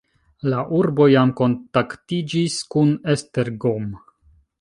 La urbo jam kontaktiĝis kun Esztergom.